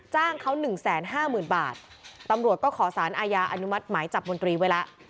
จ้างเขา๑๕๐๐๐๐บาทตำรวจก็ขอสารอายาอนุมัติหมายจับมนตรีไว้ละ